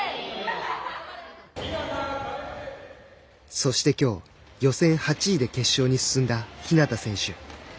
そして、きょう予選８位で決勝に進んだ日向選手。